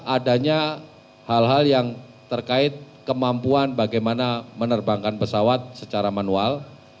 adanya hal hal yang terkait kemampuan bagaimana menerbangkan pesawat secara manual